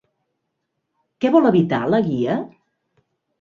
Què vol evitar la Guia?